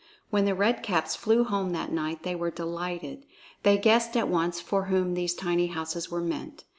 When the Red Caps flew home that night, they were delighted; they guessed at once for whom these tiny houses were meant.